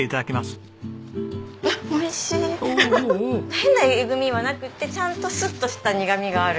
変なえぐみはなくてちゃんとスッとした苦みがある。